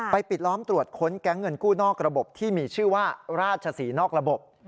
ปิดล้อมตรวจค้นแก๊งเงินกู้นอกระบบที่มีชื่อว่าราชศรีนอกระบบ